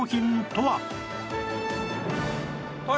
はい。